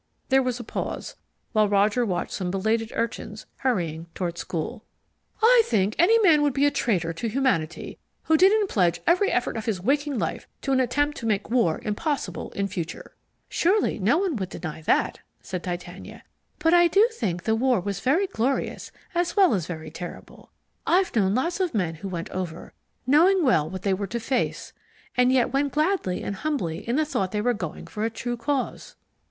There was a pause, while Roger watched some belated urchins hurrying toward school. "I think any man would be a traitor to humanity who didn't pledge every effort of his waking life to an attempt to make war impossible in future." "Surely no one would deny that," said Titania. "But I do think the war was very glorious as well as very terrible. I've known lots of men who went over, knowing well what they were to face, and yet went gladly and humbly in the thought they were going for a true cause."